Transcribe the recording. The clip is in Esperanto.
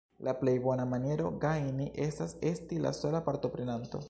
La plej bona maniero gajni estas esti la sola partoprenanto.